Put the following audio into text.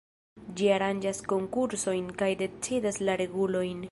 Ĝi aranĝas konkursojn kaj decidas la regulojn.